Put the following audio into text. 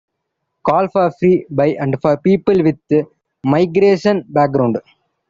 Call for free by and for people with migration background.